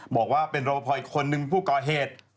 บอกว่าเป็นรบพออีกคนนึงผู้ก่อเหตุ